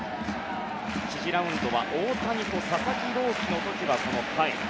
１次ラウンドは大谷と佐々木朗希の時は、この甲斐。